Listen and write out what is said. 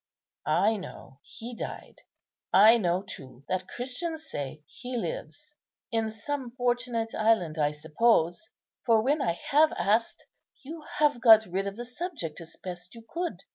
I know He died; I know too that Christians say He lives. In some fortunate island, I suppose; for, when I have asked, you have got rid of the subject as best you could.